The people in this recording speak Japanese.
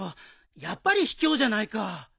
やっぱりひきょうじゃないか。